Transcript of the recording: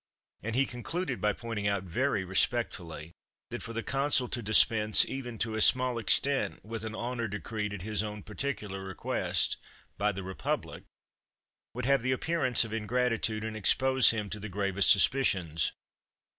And he concluded by pointing out very respectfully that for the Consul to dispense, even to a small extent, with an honour decreed (at his own particular request) by the Republic, would have the appearance of ingratitude, and expose him to the gravest suspicions.